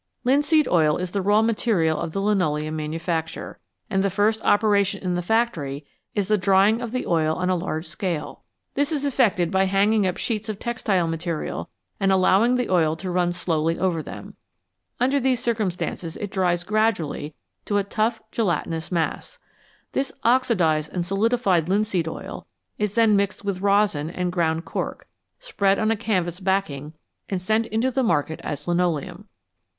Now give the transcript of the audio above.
Linseed oil is the raw material of the linoleum manufacture, and the first operation in the factory is the drying of the oil on a large scale ; this is effected by hanging up sheets of textile material and allowing the oil to run slowly over them ; under these circumstances it dries gradually to a tough, gelatinous mass. This oxidised and solidi fied linseed oil is then mixed with rosin and ground cork, spread on a canvas backing and sent into the market as linoleum.